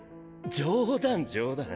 冗談冗談。